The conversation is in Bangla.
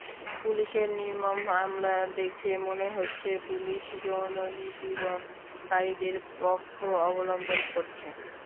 পুলিশের নির্মম হামলা দেখে মনে হচ্ছে, পুলিশ যৌন নিপীড়নকারীদের পক্ষ অবলম্বন করছে।